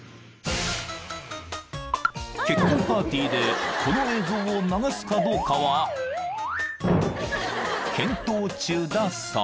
［結婚パーティーでこの映像を流すかどうかは検討中だそう］